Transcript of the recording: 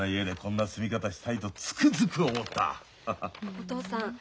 お父さん